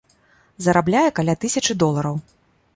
Зарабляе каля тысячы долараў.